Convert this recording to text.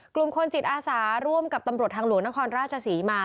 กลุ่มคนจิตอาสาร่วมกับตำรวจทางหลวงนครราชศรีมา